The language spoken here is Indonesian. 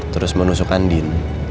terus menusuk andin